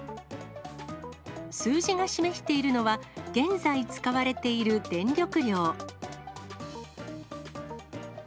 数字が示しているのは、現在使われている電力量。